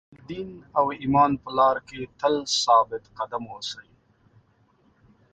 د خپل دین او ایمان په لار کې تل ثابت قدم اوسئ.